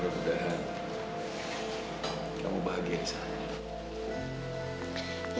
dan mudah mudahan kamu bahagia disana